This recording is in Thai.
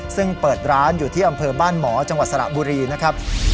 ซึ่งเปิดร้านอยู่ที่อำเภอบ้านหมอจังหวัดสระบุรีนะครับ